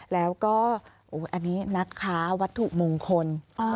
แล้วก็อันนี้นักค้าวัตถุมงคล